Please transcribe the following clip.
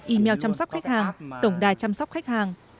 email chăm sóc khách hàng tổng đài chăm sóc khách hàng